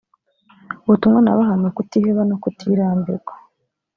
ubutumwa nabaha ni ukutiheba no kutirambirwa